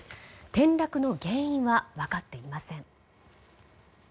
転落の原因は分かっていません。